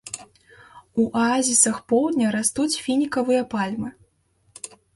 У аазісах поўдня растуць фінікавыя пальмы.